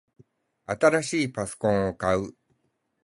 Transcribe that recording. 新しいパソコンを買う